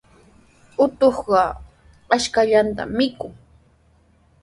Atuqqa ashkallata mikun.